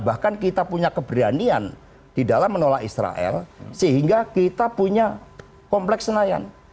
bahkan kita punya keberanian di dalam menolak israel sehingga kita punya kompleks senayan